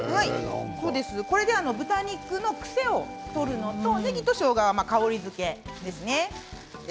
これで豚肉の癖を取るのとねぎとしょうがは香りづけですね。